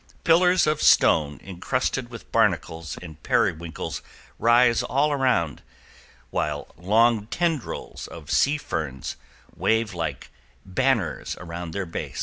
Pillars of stone incrusted with barnacles and periwinkles rise all around, while long tendrils of sea ferns wave like banners around their base.